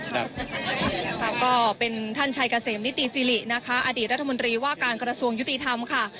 ก็เป็นท่านชัยเกษมนิติสิรินะคะอดีตรัฐมนตรีว่าการกระทรวงยุติธรรมค่ะ